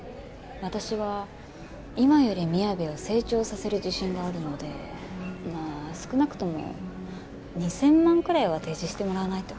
私は今よりみやべを成長させる自信があるのでまあ少なくとも２０００万くらいは提示してもらわないと。